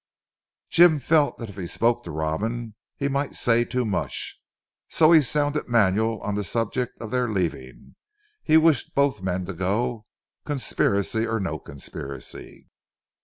Jim felt that if he spoke to Robin he might say too much, so he sounded Manuel on the subject of their leaving. He wished both men to go, conspiracy or no conspiracy.